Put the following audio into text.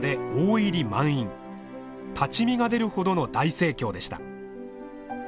立ち見が出るほどの大盛況でした。